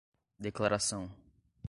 declaração